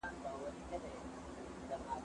زه به سبا کتابتون ته راځم وم.